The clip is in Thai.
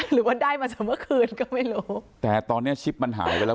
หรือว่าได้มาจากเมื่อคืนก็ไม่รู้แต่ตอนเนี้ยชิปมันหายไปแล้ว